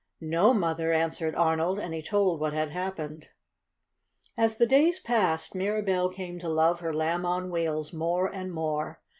"No, Mother," answered Arnold, and he told what had happened. As the days passed Mirabell came to love her Lamb on Wheels more and more.